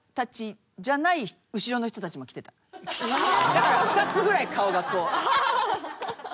だから２つぐらい顔がこう。